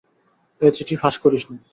এ চিঠি ফাঁস করিস না।